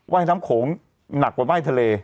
ว่ายน้ำโขงหนักกว่าไหม้ทะเล